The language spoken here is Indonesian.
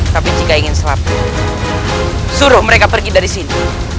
tapi jika ingin sholat suruh mereka pergi dari sini